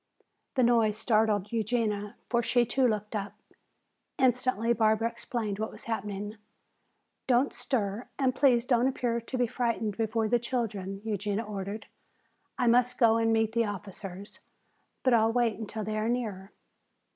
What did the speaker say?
The noise startled Eugenia, for she too looked up. Instantly Barbara explained what was happening. "Don't stir and please don't appear to be frightened before the children," Eugenia ordered. "I must go and meet the officers, but I'll wait until they are nearer."